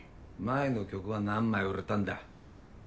前の曲は何枚売れたんだ。